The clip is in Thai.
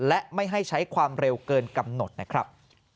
และไม่ให้ใช้ความเร็วเกินกำหนดนะครับ